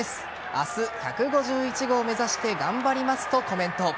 明日、１５１号を目指して頑張りますとコメント。